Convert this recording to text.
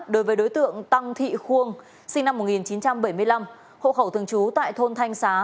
đối với đối tượng tăng thị khuông sinh năm một nghìn chín trăm bảy mươi năm hộ khẩu thường trú tại thôn thanh xá